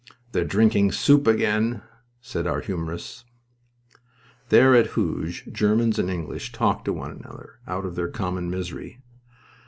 "They're drinking soup again!" said our humorists. There, at Hooge, Germans and English talked to one another, out of their common misery.